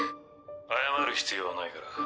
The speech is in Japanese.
謝る必要はないから。